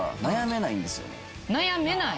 悩めない？